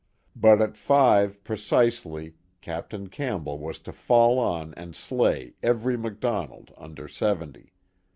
But at five precisely Captain Campbell was to fall on and slay every Mac Donald under seventy.